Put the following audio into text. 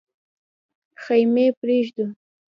خېمې پرېږدو.